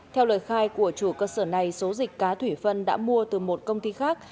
theo lời khai của chủ cơ sở này số dịch cá thủy phân đã mua từ một công ty khác